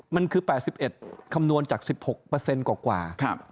มันคือ๘๑คำนวณจาก๑๖กว่า